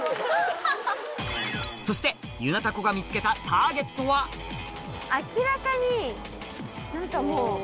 そしてゆなたこが見つけたターゲットは明らかに。